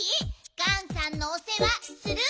ガンさんのおせわする？